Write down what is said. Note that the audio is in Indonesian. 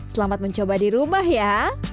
selamat mencoba di rumah ya